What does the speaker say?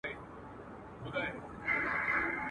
نه يې وكړل د آرامي شپي خوبونه.